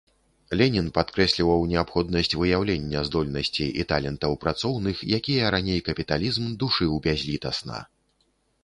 Ленін падкрэсліваў неабходнасць выяўлення здольнасцей і талентаў працоўных, якія раней капіталізм душыў бязлітасна.